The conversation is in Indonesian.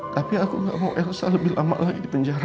tapi aku gak mau elsa lebih lama lagi di penjara